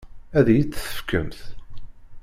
Ad iyi-tt-tefkemt?